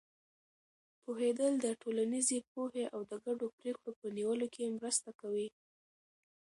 پوهېدل د ټولنیزې پوهې او د ګډو پرېکړو په نیولو کې مرسته کوي.